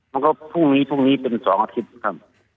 พรุ่งนี้พรุ่งนี้เป็น๒อาทิตย์ครับ